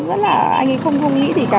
anh ấy không nghĩ gì cả